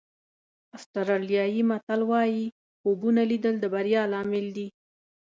آسټرالیایي متل وایي خوبونه لیدل د بریا لامل دي.